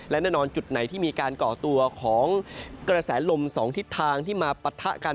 และแน่นอนจุดไหนที่มีการก่อตัวของกระแสลม๒ทิศทางที่มาปะทะกัน